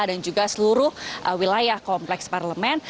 dan juga seluruh wilayah kompleks parlemen